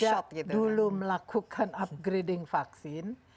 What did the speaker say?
jadi kita tidak dulu melakukan upgrading vaksin